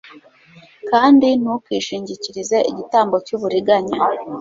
kandi ntukishingikirize igitambo cy'uburiganya